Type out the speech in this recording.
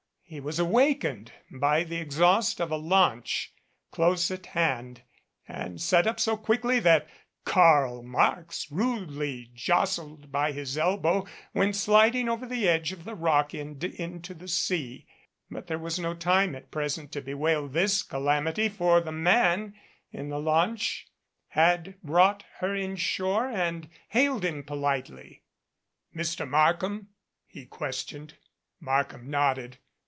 He was awak ened by the exhaust of a launch close at hand and sat up so quickly that "Karl Marx," rudely jostled by his elbow, 61 MADCAP went sliding over the edge of the rock and into the sea. But there was no time at present to bewail this calamity for the man in the launch had brought her inshore and hailed him politely. "Mr. Markham?" he questioned. Markham nodded.